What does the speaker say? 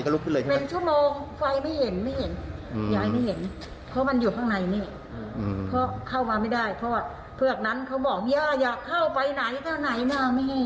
เพราะเพื่อกนั้นเขาบอกยายาอยากเข้าไปไหนถ้าไหนไม่ให้เข้า